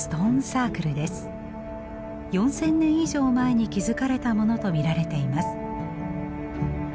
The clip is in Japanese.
４，０００年以上前に築かれたものと見られています。